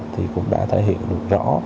thì cũng đã thể hiện được rõ